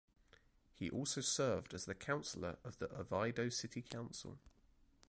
He also served as the councilor of the Oviedo City Council.